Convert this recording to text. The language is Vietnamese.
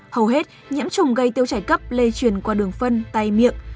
hầu hết nhiễm trùng gây tiêu chảy cấp lây truyền qua đường phân tay miệng